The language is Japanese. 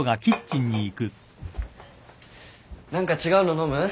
何か違うの飲む？